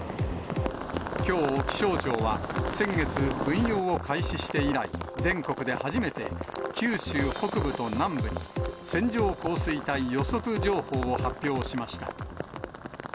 きょう、気象庁は、先月運用を開始して以来、全国で初めて、九州北部と南部に、線状降水帯予測情報を発表しました。